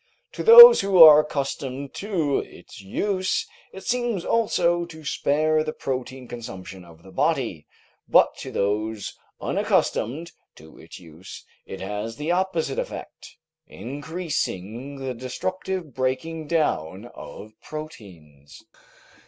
To those who are accustomed to its use, it seems also to spare the protein consumption of the body, but to those unaccustomed to its use it has the opposite effect, increasing the destructive breaking down of proteins.